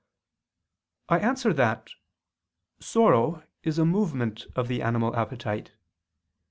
I answer that, Sorrow is a movement of the animal appetite.